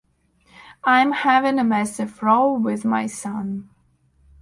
I'm having a massive row with my son.